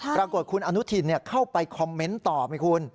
ปรากฏคุณอนุทินเข้าไปคอมเมนต์ตอบให้คุณ